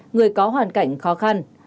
người có hoàn cảnh khó khăn